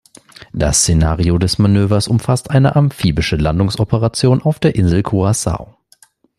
Das Szenario des Manövers umfasst eine amphibische Landungsoperation auf der Insel Curacao.